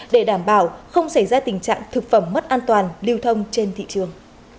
để đảm bảo không xảy ra tình trạng thực phẩm mất an toàn lưu thông trên thị trường